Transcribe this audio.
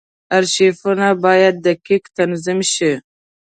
ارشیفونه باید دقیق تنظیم شي.